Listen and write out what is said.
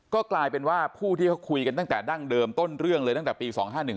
ก็กลายเป็นว่าผู้ที่เขาคุยกันตั้งแต่ดั้งเดิมต้นเรื่องเลยตั้งแต่ปี๒๕๑๒